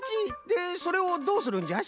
でそれをどうするんじゃ？